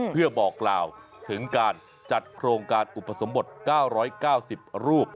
เพื่อบอกกล่าวถึงการจัดโครงการอุปสมบท๙๙๐รูป